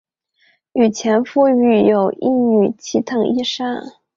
与前夫育有一女齐藤依纱。